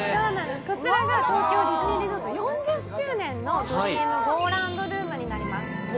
こちらが東京ディズニーリゾート４０周年のドリームゴーラウンドルームになります。